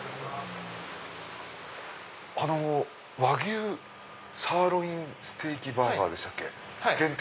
和牛サーロインステーキバーガー限定